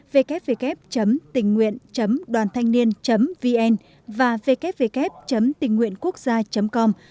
www tinhnguyen doanthanhniên vn và www tinhnguyenquốcgia com